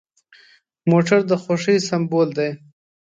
موټر د خوښۍ سمبول دی.